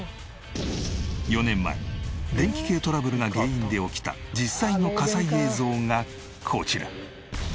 ４年前電気系トラブルが原因で起きた実際の火災映像がこちら。